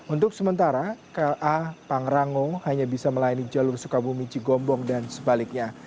untuk sementara kl a pang rangung hanya bisa melayani jalur sukabumi jigombong dan sebaliknya